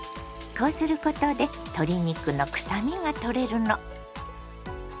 こうすることで鶏肉のくさみが取れるの。